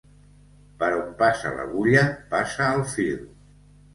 Per on passa l'agulla, passa el fil.